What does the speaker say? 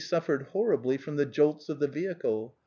333 suffered horribly from the jolts of the vehicle.